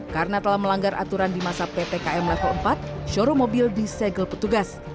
karena telah melanggar aturan di masa ppkm level empat showroom mobil disegel petugas